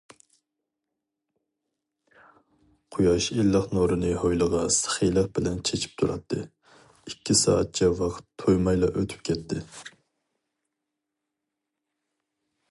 قۇياش ئىللىق نۇرىنى ھويلىغا سېخىيلىق بىلەن چېچىپ تۇراتتى، ئىككى سائەتچە ۋاقىت تۇيمايلا ئۆتۈپ كەتتى.